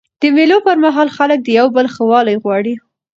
د مېلو پر مهال خلک د یو بل ښه والی غواړي.